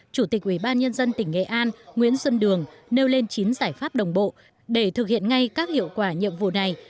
chủ tịch ubnd tỉnh nghệ an nguyễn xuân đường nêu lên chín giải pháp đồng bộ để thực hiện ngay các hiệu quả nhiệm vụ này